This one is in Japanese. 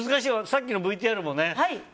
さっきのＶＴＲもね